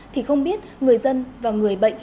thì không biết người dân và người bệnh